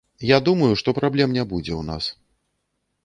Я думаю, што праблем не будзе ў нас.